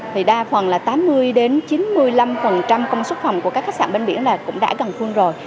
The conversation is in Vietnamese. thì đa phần là tám mươi chín mươi năm công suất phòng của các khách sạn bên biển là cũng đã gần phun rồi